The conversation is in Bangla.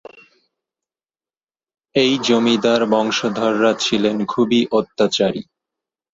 এই জমিদার বংশধররা ছিলেন খুবই অত্যাচারী।